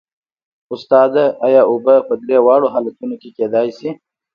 استاده ایا اوبه په درې واړو حالتونو کې کیدای شي